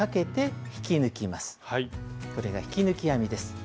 これが引き抜き編みです。